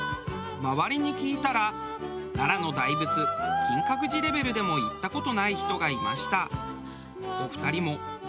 周りに聞いたら奈良の大仏金閣寺レベルでも行った事ない人がいました。